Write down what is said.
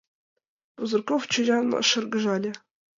Пузырьков чоян шыргыжале.